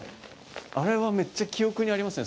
あれは、めっちゃ記憶にありますね